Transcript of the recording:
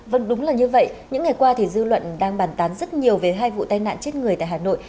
vâng đúng là như vậy những ngày qua thì dư luận đang bàn tán rất nhiều về hai vụ tai nạn chết người tại hà nội